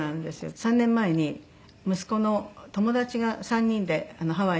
３年前に息子の友達が３人でハワイに。